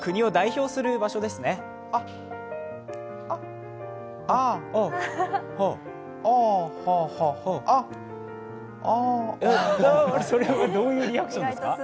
あっ、あっ、あ、はぁ、はぁそれはどういうリアクションですか？